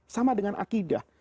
sama dengan akidah